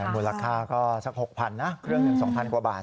รูปราคาก็สัก๖๐๐๐นะเครื่องอย่าง๒๐๐๐กว่าบาท